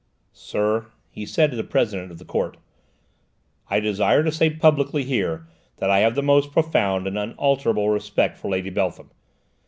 "Sir," he said to the President of the Court, "I desire to say publicly here that I have the most profound and unalterable respect for Lady Beltham.